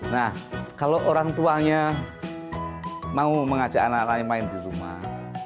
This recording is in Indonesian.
nah kalau orang tuanya mau mengajak anak lain main di rumah